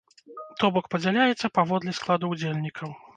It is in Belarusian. То бок падзяляецца паводле складу ўдзельнікаў?